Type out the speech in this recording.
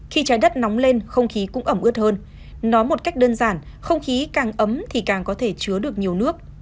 khi trái đất nóng lên không khí cũng ẩm ướt hơn nói một cách đơn giản không khí càng ấm thì càng có thể chứa được nhiều nước